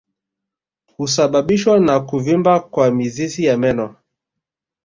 Husababishwa na kuvimba kwa mizizi ya meno